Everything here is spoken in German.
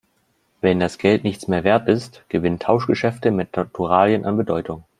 Wenn das Geld nichts mehr Wert ist, gewinnen Tauschgeschäfte mit Naturalien an Bedeutung.